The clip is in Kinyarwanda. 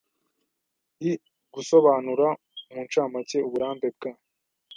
i gusobanura mu ncamake uburambe bwa